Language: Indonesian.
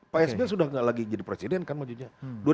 pak sbi sudah gak lagi jadi presiden kan maju nya